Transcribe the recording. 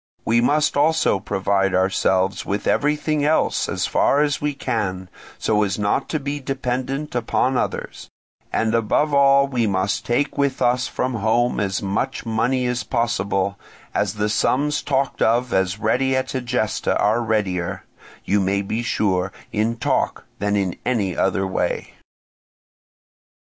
We must also provide ourselves with everything else as far as we can, so as not to be dependent upon others; and above all we must take with us from home as much money as possible, as the sums talked of as ready at Egesta are readier, you may be sure, in talk than in any other way.